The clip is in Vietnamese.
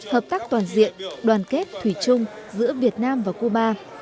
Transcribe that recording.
hợp tác toàn diện đoàn kết thủy chung giữa việt nam và cuba